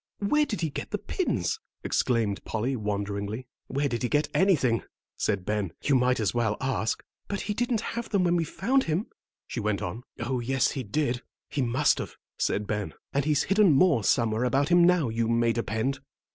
"Where did he get the pins?" exclaimed Polly, wonderingly. "Where did he get anything," said Ben, "you might as well ask." "But he didn't have them when we found him," she went on. "Oh, yes, he did; he must have," said Ben; "and he's hidden more somewhere about him now, you may depend.